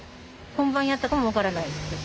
本番やったかも分からないって。